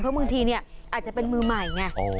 เพราะบางทีเนี่ยอาจจะเป็นมือใหม่ไง